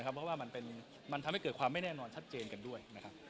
เพราะว่ามันทำให้เกิดความไม่แน่นอนชัดเจนกันด้วยนะครับ